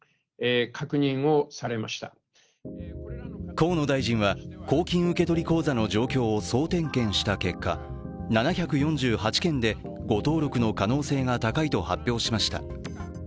河野大臣は公金受取口座の状況を総点検した結果、７４８件で、誤登録の可能性が高いと発表しました。